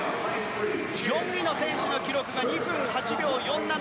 ４位の選手の記録が２分８秒４７。